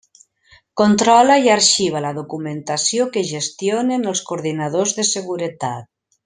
Controla i arxiva la documentació que gestionen els coordinadors de seguretat.